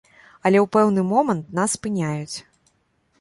Але ў пэўны момант нас спыняюць.